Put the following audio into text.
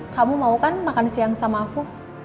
kamu mau kan makan siang sama aku